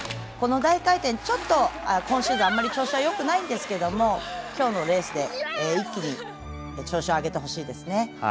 この大回転はちょっと今シーズンあまり調子はよくないですが今日のレースで一気に調子を上げてほしいですね。